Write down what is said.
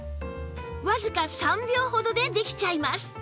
わずか３秒ほどでできちゃいます